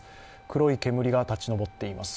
黒い煙が立ち上っています。